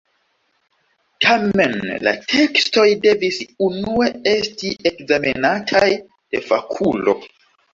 Tamen la tekstoj devis unue esti ekzamenataj de fakulo.